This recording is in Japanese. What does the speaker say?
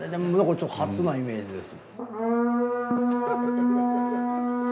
ちょっと初なイメージです。